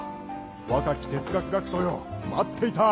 若き哲学学徒よ待っていた。